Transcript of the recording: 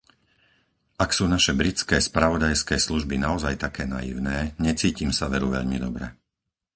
Ak sú naše britské spravodajské služby naozaj také naivné, necítim sa veru veľmi dobre.